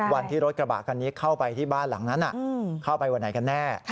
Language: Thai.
วันที่รถกระบะคันนี้เข้าไปที่บ้านหลังนั้นเข้าไปวันไหนกันแน่